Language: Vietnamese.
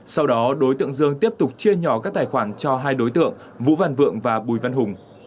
sau đó đối tượng dương tiếp tục chia nhỏ các tài khoản cho hai đối tượng vũ văn vượng và bùi văn hùng